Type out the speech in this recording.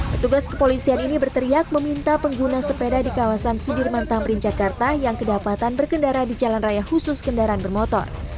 petugas kepolisian ini berteriak meminta pengguna sepeda di kawasan sudirman tamrin jakarta yang kedapatan berkendara di jalan raya khusus kendaraan bermotor